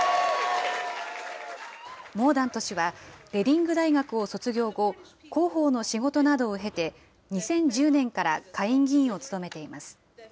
モーダント氏は、レディング大学を卒業後、広報の仕事などを経て、２０１０年から下院議員を務めています。